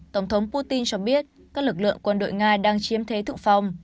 tổng thống putin cho biết các lực lượng quân đội nga đang chiếm thế tự phòng